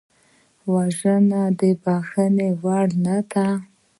وژنه د بښنې وړ نه ده